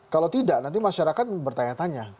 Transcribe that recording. kalau tidak nanti masyarakat bertanya tanya